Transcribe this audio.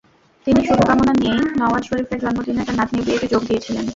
তিনি শুভকামনা নিয়েই নওয়াজ শরিফের জন্মদিনে তাঁর নাতনির বিয়েতে যোগ দিয়েছিলেন।